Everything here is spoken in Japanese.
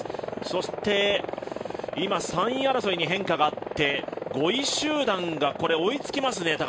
そして今、３位争いに変化があって５位集団が追いつきますね。